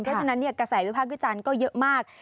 เพราะฉะนั้นกระแสวิบภาควิจันทร์ก็เยอะมาก